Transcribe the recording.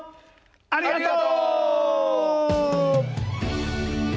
「ありがとう！」。